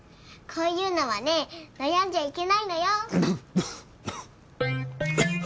こういうのはねぇ悩んじゃいけないのよ！